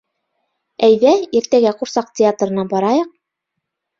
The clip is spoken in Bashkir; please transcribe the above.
Әйҙә иртәгә ҡурсаҡ театрына барайыҡ?